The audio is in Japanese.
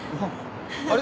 あれ？